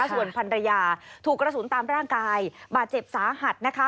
ส่วนภัณฑ์ระยาถูกกระสุนตามร่างกายบาดเจ็บสาหัส